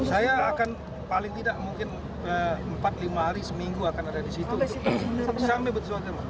saya akan paling tidak mungkin empat lima hari seminggu akan ada di situ sampai betul